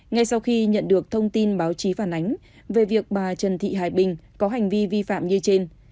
ngay sau khi nhận được thông tin báo chí phản ánh về việc bà trần thị hải bình có hành vi vi phạm như trên